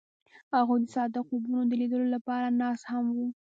هغوی د صادق خوبونو د لیدلو لپاره ناست هم وو.